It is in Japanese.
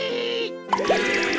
え？